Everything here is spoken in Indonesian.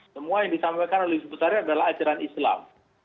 semua yang disampaikan oleh bisbut tahir adalah ajaran islam